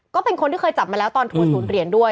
ก็เป็นคนที่เคยจับมาแล้วตอนทัวร์ศูนย์เหรียญด้วย